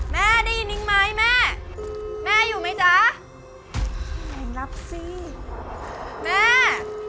แม่ได้ยินอีกไหมแม่แม่อยู่ไหมจ๊ะเห็นรับสิแม่